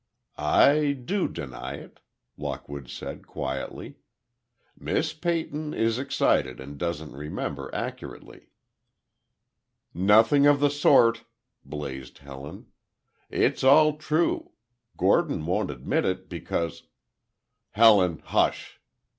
"I do deny it," Lockwood said, quietly. "Miss Peyton is excited and doesn't remember accurately." "Nothing of the sort!" blazed Helen. "It's all true. Gordon won't admit it because—" "Helen, hush!"